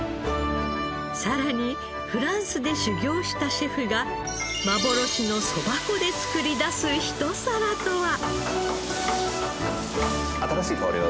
さらにフランスで修業したシェフが幻のそば粉で作り出すひと皿とは。